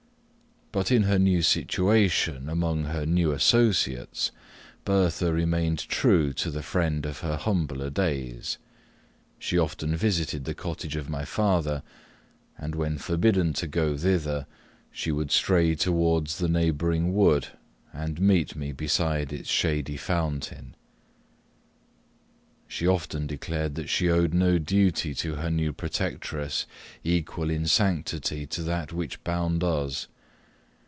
But in her new situation among her new associates, Bertha remained true to the friend of her humbler days; she often visited the cottage of my father, and when forbidden to go thither, she would stray towards the neighbouring wood, and meet me beside its shady fountain. She often declared that she owed no duty to her new protectress equal in sanctity to that which bound us.